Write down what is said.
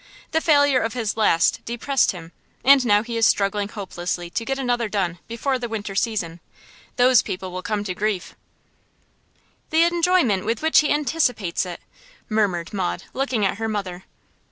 The failure of his last depressed him, and now he is struggling hopelessly to get another done before the winter season. Those people will come to grief.' 'The enjoyment with which he anticipates it!' murmured Maud, looking at her mother.